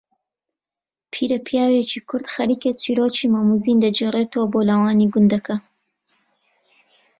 پیرەپیاوێکی کورد خەریکە چیرۆکی مەم و زین دەگێڕەتەوە بۆ لاوانی گوندەکە